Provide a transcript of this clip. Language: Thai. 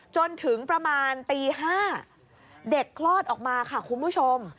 จนถึงประมาณตี๕เด็กคลอดออกมาค่ะคุณผู้ชม